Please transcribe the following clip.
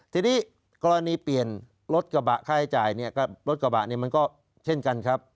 ทีนี้กรณีเปลี่ยนรถกระบะค่าใช้จ่ายเนี่ยกับรถกระบะเนี่ยมันก็เช่นกันครับ